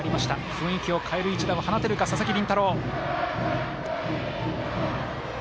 雰囲気を変える一打を放てるか佐々木麟太郎。